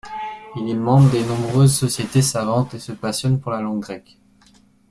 Il est membre de nombreuses sociétés savantes, et se passionne pour la langue grecque.